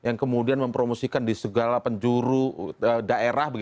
yang kemudian mempromosikan di segala penjuru daerah